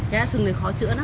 cái sừng này khó chữa lắm